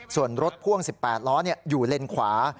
ส่วนรถพ่วง๑๘ล้ออยู่เลนขวา